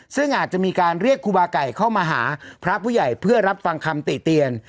ซึ่งอาจจะมีการเรียกครูบาไก่เข้ามาหาพระผู้ใหญ่เพื่อรับฟังคำติเตียน